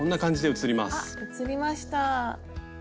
あっ写りました。